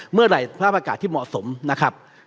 เมื่อไหร่สภาพอากาศที่เหมาะสมนะครับ